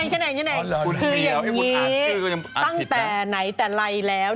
ใช่ไหมคืออย่างนี้ตั้งแต่ไหนแต่ไล่แล้ว